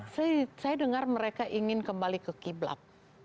saya dengar mereka ingin kembali ke kiblat